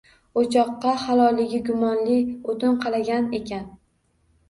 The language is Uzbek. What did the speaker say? O‘choqqa halolligi gumonli o‘tin qalangan ekan.